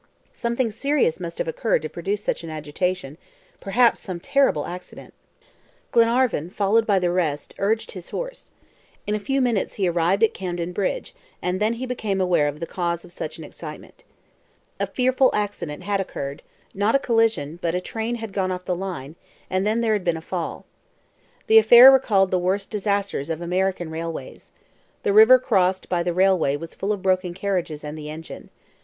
Something serious must have occurred to produce such an agitation. Perhaps some terrible accident. Glenarvan, followed by the rest, urged on his horse. In a few minutes he arrived at Camden Bridge and then he became aware of the cause of such an excitement. A fearful accident had occurred; not a collision, but a train had gone off the line, and then there had been a fall. The affair recalled the worst disasters of American railways. The river crossed by the railway was full of broken carriages and the engine.